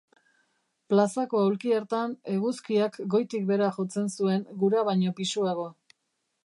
Plazako aulki hartan eguzkiak goitik behera jotzen zuen gura baino pisuago.